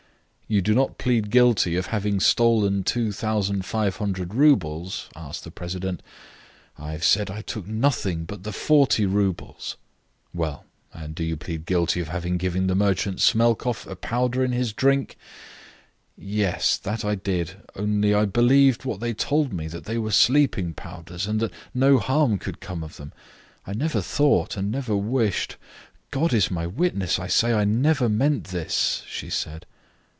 "You do not plead guilty of having stolen 2,500 roubles?" asked the president. "I've said I took nothing but the 40 roubles." "Well, and do you plead guilty of having given the merchant Smelkoff a powder in his drink?" "Yes, that I did. Only I believed what they told me, that they were sleeping powders, and that no harm could come of them. I never thought, and never wished. .. God is my witness; I say, I never meant this," she said.